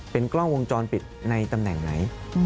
เป็นกล้องวงจรปิดในตำแหน่งไหน